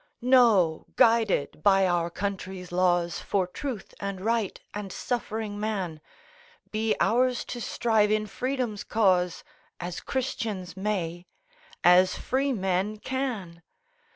No; guided by our country's laws, For truth, and right, and suffering man, Be ours to strive in Freedom's cause, As Christians may, as freemen can!